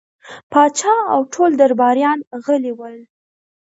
پاچا او ټول درباريان غلي ول.